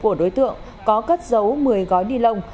của đối tượng có cất giấu một mươi gói ni lông